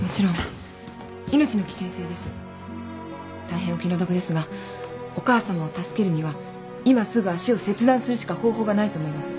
大変お気の毒ですがお母さまを助けるには今すぐ脚を切断するしか方法がないと思います。